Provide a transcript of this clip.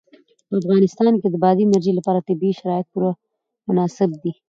په افغانستان کې د بادي انرژي لپاره طبیعي شرایط پوره مناسب دي.